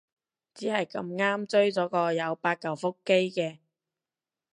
只係咁啱追咗個有八舊腹肌嘅